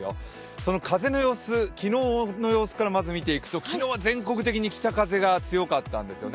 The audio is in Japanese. その風の様子、昨日の様子からまず見ていくと、昨日は全国的に北風が強かったんですよね。